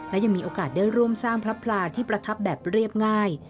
และยังมีโอกาสได้ร่วมสร้างพระพลาที่ประทับแบบเรียบง่าย